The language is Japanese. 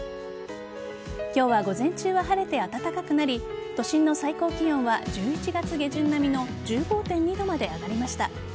今日は午前中は晴れて暖かくなり都心の最高気温は１１月下旬並みの１５．２度まで上がりました。